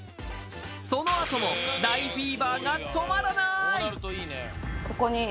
そのあとも大フィーバーが止まらない！